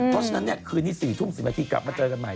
เพราะฉะนั้นคืนนี้๔ทุ่ม๑๐นาทีกลับมาเจอกันใหม่